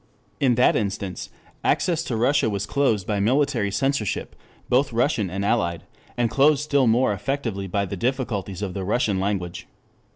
In that instance, access to Russia was closed by military censorship, both Russian and Allied, and closed still more effectively by the difficulties of the Russian language.